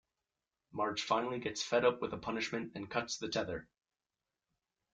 Marge finally gets fed up with the punishment and cuts the tether.